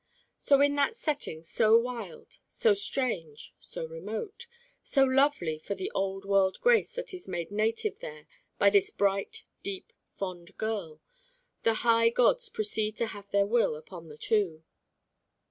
So in that setting so wild, so strange, so remote, so lovely for the old world grace that is made native there by this bright, deep, fond girl, the high gods proceed to have their will upon the two.